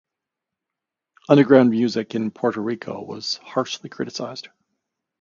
Underground music in Puerto Rico was harshly criticized.